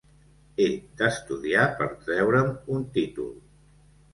He d'estudiar per treure'm un títol.